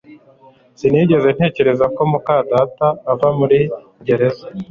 Sinigeze ntekereza ko muka data ava muri gereza